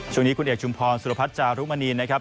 ฉองนี้คุณเอกชุมพรสุรพัทยาลุกมณีนะครับ